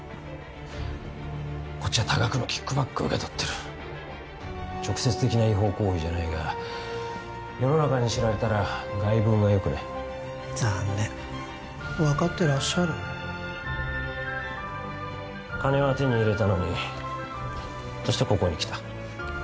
こっちは多額のキックバックを受け取ってる直接的な違法行為じゃないが世の中に知られたら外聞がよくない残念分かってらっしゃる金は手に入れたのにどうしてここに来た？